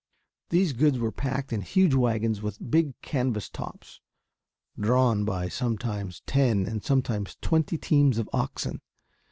These goods were packed in huge wagons with big canvas tops, drawn by sometimes ten and sometimes twenty teams of oxen.